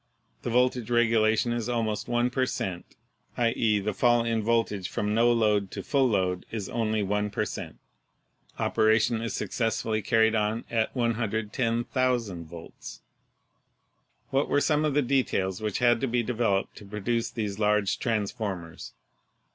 The voltage regulation is almost one per cent. — i.e., the fall in voltage from no load to full load is only one per cent. Operation is successfully carried on at 110,000 volts. What were some of the details which had to be devel oped to produce these large transformers?